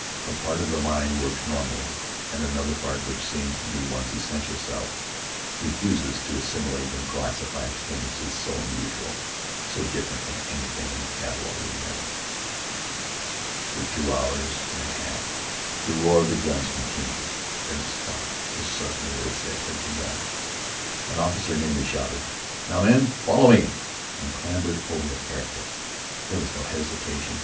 A part of the mind works normally, and another part, which seems to be one's essential self, refuses to assimilate and classify experiences so unusual, so different from anything in the catalogue of memory. For two hours and a half the roar of guns continued. Then it stopped as suddenly as it had begun. An officer near me shouted, "Now, men! Follow me!" and clambered over the parapet. There was no hesitation.